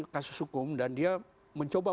kasus hukum dan dia mencoba